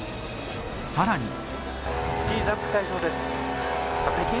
さらに。